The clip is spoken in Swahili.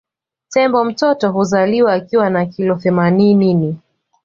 Tembo mtoto huzaliwa akiwa na kilo themaninini